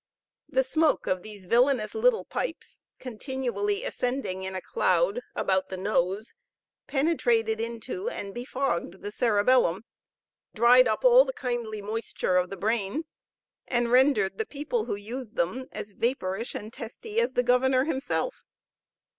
The smoke of these villainous little pipes, continually ascending in a cloud about the nose, penetrated into and befogged the cerebellum, dried up all the kindly moisture of the brain, and rendered the people who used them as vaporish and testy as the governor himself.